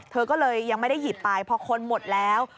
เธอก็เลยยังไม่ได้หยิบไปพอคนหมดแล้ว